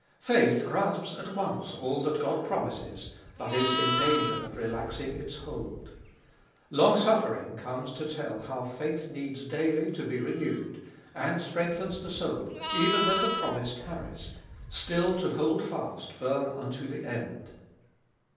Faith grasps at once all that God promises, but is in danger of relax ing its hold. Longsuffering comes to tell how faith needs daily to be renewed, and strengthens the soul, even when the promise tarries, still to hold fast firm unto the end.